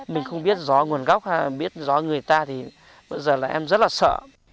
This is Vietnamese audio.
mình không biết rõ nguồn gốc biết rõ người ta thì bây giờ là em rất là sợ